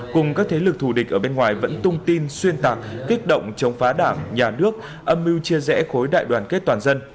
cùng các thế lực thù địch ở bên ngoài vẫn tung tin xuyên tạc kích động chống phá đảng nhà nước âm mưu chia rẽ khối đại đoàn kết toàn dân